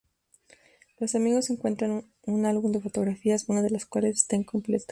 Los amigos encuentran un álbum de fotografías, una de las cuales está incompleta.